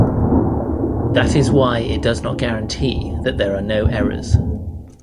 That is why it does not guarantee that there are no errors.